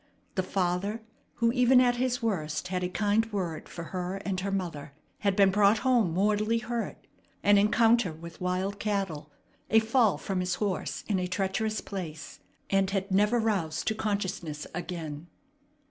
The father, who even at his worst had a kind word for her and her mother, had been brought home mortally hurt an encounter with wild cattle, a fall from his horse in a treacherous place and had never roused to consciousness again.